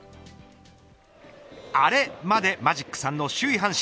アレまでマジック３の首位、阪神。